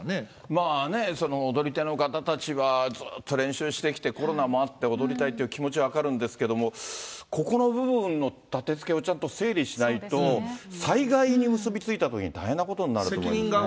まあね、その踊り手の方たちは、ずっと練習してきて、コロナもあって、踊りたいという気持ちは分かるんですけども、ここの部分の立てつけをちょっと整理しないと、災害に結び付いたときに大変なことになると思いますね。